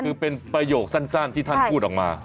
คือเป็นประโยคสั้นที่ท่านพูดออกมา